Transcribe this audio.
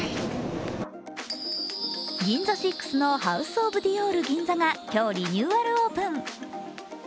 ＧＩＮＺＡＳＩＸのハウスオブディオールギンザが今日、リニューアルオープン。